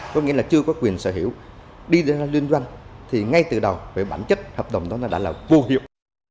có nghĩa là chưa có quyền sở hữu đi ra liên doanh thì ngay từ đầu về bản chất hợp đồng đó là đã là vô hiệu